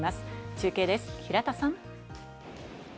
中継です、平田さん。